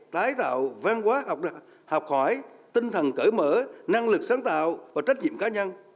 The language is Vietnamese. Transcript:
tái tạo văn hóa học hỏi tinh thần cởi mở năng lực sáng tạo và trách nhiệm cá nhân